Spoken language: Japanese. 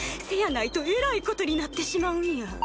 せやないとえらいことになってしまうんや。